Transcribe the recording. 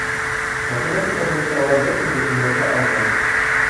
Математика буйынса уға бер кем дә тиңләшә алмай